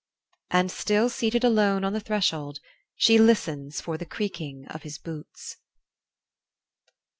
And still seated alone on the threshold, she listens for the creaking of his boots.